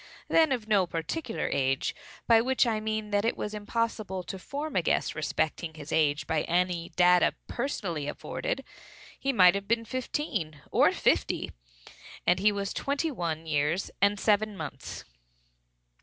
He was then of no particular age, by which I mean that it was impossible to form a guess respecting his age by any data personally afforded. He might have been fifteen or fifty, and was twenty one years and seven months.